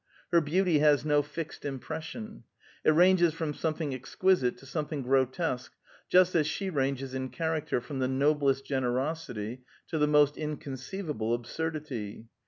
Her beauty has no fixed impression. It ranges from something exquisite to something grotesque; just as she ranges in character from the noblest generosity to the most inconceivable absurdity.